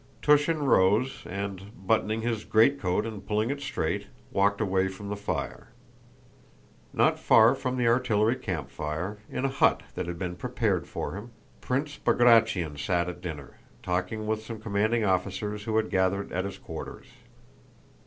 Túshin rose and, buttoning his greatcoat and pulling it straight, walked away from the fire. Not far from the artillery campfire, in a hut that had been prepared for him, Prince Bagratión sat at dinner, talking with some commanding officers who had gathered at his quarters.